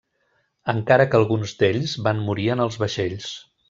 Encara que alguns d'ells van morir en els vaixells.